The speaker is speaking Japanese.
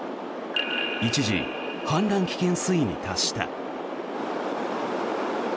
一時、氾濫危険水位に達した。